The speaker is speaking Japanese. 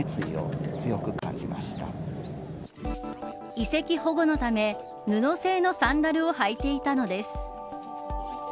遺跡保護のため、布製のサンダルを履いていたのです。